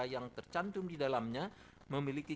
yang tercantum di dalamnya memiliki